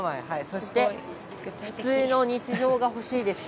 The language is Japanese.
そして普通の日常が欲しいです。